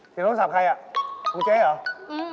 เสียโทรศัพท์ใครคุณเจ๊หรือ